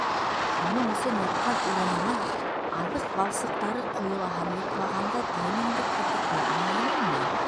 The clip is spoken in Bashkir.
— Шуның өсөн ятҡан урыныңа аҙыҡ валсыҡтары ҡойола һәм йоҡлағанда тәнеңде ҡытыҡлай, аңланыңмы?